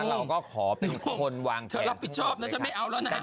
เราก็ขอเป็นคนวางแทนทั้งหมดเลยค่ะ